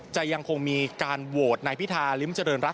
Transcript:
จะยังคงมีการโหวตนายพิธาหรือมันเจริญรัฐ